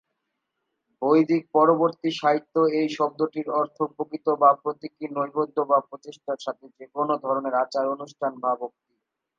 বৈদিক পরবর্তী সাহিত্যে, এই শব্দটির অর্থ প্রকৃত বা প্রতীকী নৈবেদ্য বা প্রচেষ্টার সাথে যে কোনো ধরনের আচার, অনুষ্ঠান বা ভক্তি।